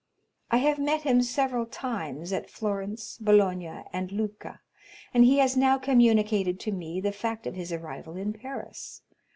I have met him several times at Florence, Bologna and Lucca, and he has now communicated to me the fact of his arrival in Paris.